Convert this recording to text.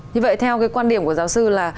như vậy theo quan điểm của giáo sư là